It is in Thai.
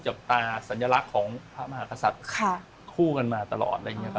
จากตราสัญลักษณ์ของพระมหาสัตว์คู่กันมาตลอด